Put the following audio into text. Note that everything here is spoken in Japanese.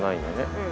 うん。